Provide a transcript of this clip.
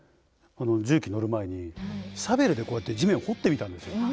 重機乗る前にシャベルでこうやって地面を掘ってみたんですよ。